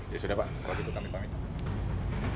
ya sudah pak kalau gitu kami panggil